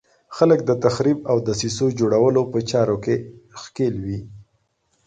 خلک د تخریب او دسیسو جوړولو په چارو کې ښکېل وي.